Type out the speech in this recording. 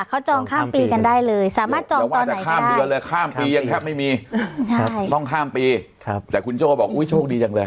เขาจองข้ามปีกันได้เลยสามารถจองตอนไหนก็ได้กันเลยข้ามปียังแทบไม่มีได้ต้องข้ามปีครับแต่คุณโจ้บอกอุ้ยโชคดีจังเลย